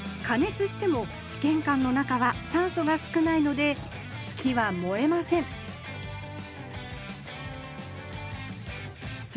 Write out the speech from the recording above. つしてもしけんかんの中は酸素が少ないので木は燃えませんす